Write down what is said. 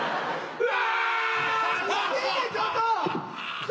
うわ！